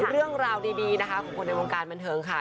เรื่องราวดีนะคะของคนในวงการบันเทิงค่ะ